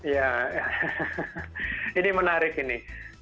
ya ini menarik ini